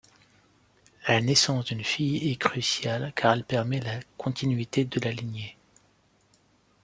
La naissance d'une fille est cruciale car elle permet la continuité de la lignée.